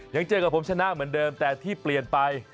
ยังเจอกับผมชนะเหมือนเดิมแต่ที่เปลี่ยนไป